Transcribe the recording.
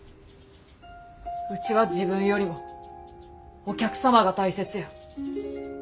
ウチは自分よりもお客様が大切や。